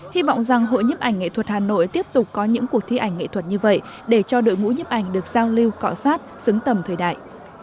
hy vọng rằng hội nhiếp ảnh nghệ thuật hà nội tiếp tục có những cuộc thi ảnh nghệ thuật như vậy để cho đội ngũ nhiếp ảnh được giao lưu cọ sát xứng tầm thời đại